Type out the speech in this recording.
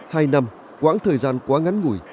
hai năm quãng thời gian quá ngắn ngủi